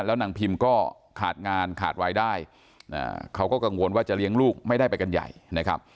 แล้วนางพิมก็ขาดงานขาดวายได้เขาก็กังวลว่าจะเลี้ยงลูกไม่ได้ไปกันใหญ่นะครับ